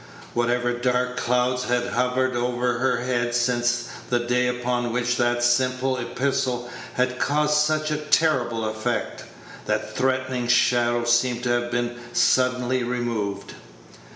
Whatever dark cloud had hovered over her head since the day upon which that simple epistle had caused such a terrible effect, that threatening shadow seemed to have been suddenly removed.